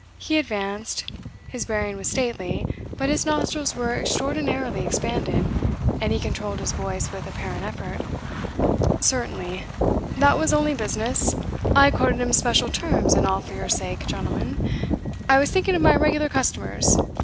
He advanced. His bearing was stately, but his nostrils were extraordinarily expanded, and he controlled his voice with apparent effort. "Certainly. That was only business. I quoted him special terms and all for your sake, gentlemen. I was thinking of my regular customers.